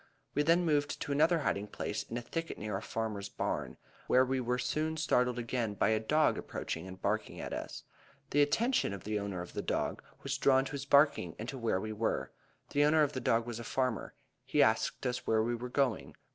We then moved to another hiding place in a thicket near a farmer's barn, where we were soon startled again by a dog approaching and barking at us. The attention of the owner of the dog was drawn to his barking and to where we were. The owner of the dog was a farmer. He asked us where we were going.